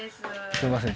すいません